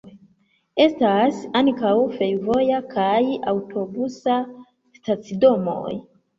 Estas ankaŭ fervoja kaj aŭtobusa stacidomoj.